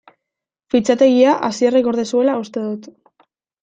Fitxategia Asierrek gorde zuela uste dut.